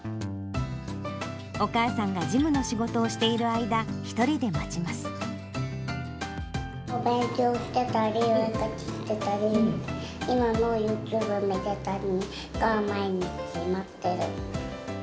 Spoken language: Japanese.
お母さんが事務の仕事をしてお勉強してたり、お絵描きしてたり、今もユーチューブ見てたり、が毎日待ってる。